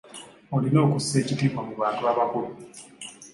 Olina okussa ekitiibwa mu bantu abakulu.